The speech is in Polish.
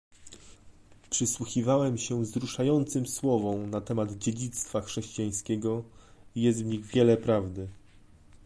Przysłuchiwałem się wzruszającym słowom na temat dziedzictwa chrześcijańskiego i jest w nich wiele prawdy